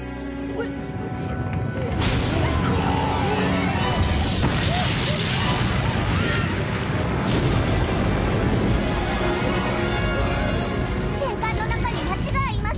・おい！・戦艦の中に町があります。